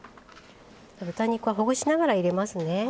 豚肉はほぐしながら入れますね。